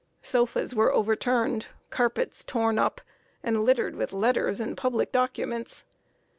Sofas were overturned, carpets torn up and littered with letters and public documents.